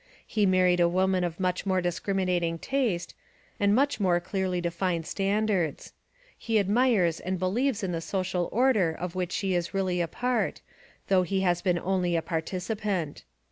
He married a woman of much more discriminating taste and much more clearly defined standards. He admires and believes in the social order of which she is really a part, though he has been only a participant.